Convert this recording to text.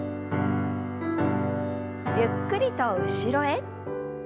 ゆっくりと後ろへ。